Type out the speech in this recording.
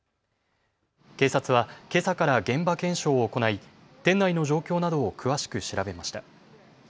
警察はけさから現場検証を行い店内の状況などを詳しく調べました。